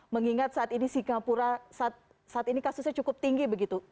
mengingat saat ini kasusnya cukup tinggi